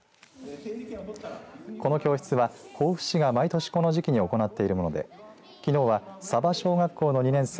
この教室は防府市が毎年この時期に行っているものできのうは佐波小学校の２年生